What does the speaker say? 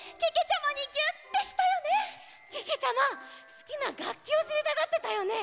すきながっきをしりたがってたよね！